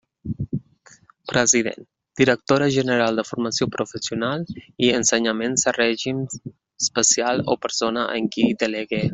President: directora general de Formació Professional i Ensenyaments de Règim Especial o persona en qui delegue.